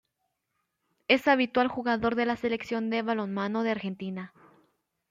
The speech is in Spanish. Es habitual jugador de la Selección de Balonmano de Argentina.